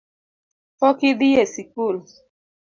Pok idhi e sikul